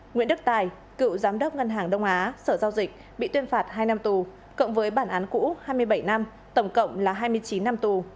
nguyễn đức tài cựu giám đốc ngân hàng đông á sở giao dịch bị tuyên phạt hai năm tù cộng với bản án cũ hai mươi bảy năm tổng cộng là hai mươi chín năm tù